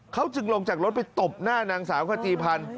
เขาจึงลงจากรถไปตบหน้านางสาวขจีพันธ์